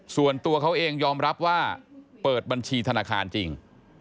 ส่วนตัวเขาเองยอมรับว่าเปิดบัญชีธนาคารจริง